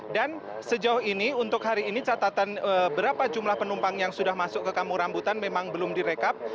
dan sejauh ini untuk hari ini catatan berapa jumlah penumpang yang sudah masuk ke kampung rambutan memang belum direkap